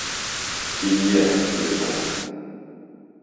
Кинйә, Ләйсән!